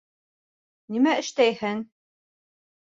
Нимә эштәйһең...